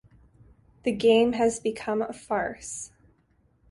The game has become a farce.